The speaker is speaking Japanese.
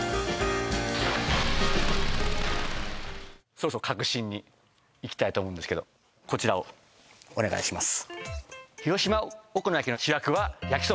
そろそろ核心にいきたいと思うんですけどこちらをお願いします